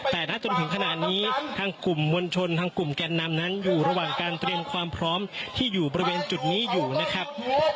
แต่ถ้าจนถึงขนาดนี้ทางกลุ่มมวลชนทางกลุ่มแกนนำนั้นอยู่ระหว่างการเตรียมความพร้อมที่อยู่บริเวณจุดนี้อยู่นะครับ